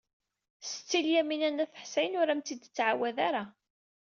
Setti Lyamina n At Ḥsayen ur am-t-id-tettɛawad ara.